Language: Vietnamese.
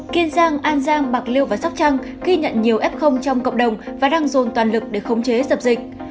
kiên giang an giang bạc liêu và sóc trăng ghi nhận nhiều f trong cộng đồng và đang dồn toàn lực để khống chế dập dịch